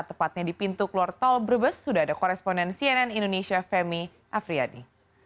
tepatnya di pintu keluar tol brebes sudah ada koresponden cnn indonesia femi afriyadi